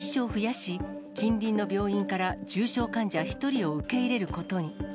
１床増やし、近隣の病院から重症患者１人を受け入れることに。